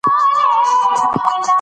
موږ باید د سرچینو خوندیتوب ته پام وکړو.